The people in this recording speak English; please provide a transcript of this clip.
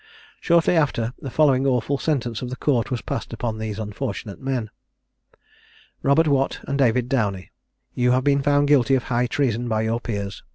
Shortly after, the following awful sentence of the Court was passed upon these unfortunate men: "Robert Watt and David Downie, you have been found guilty of high treason by your peers.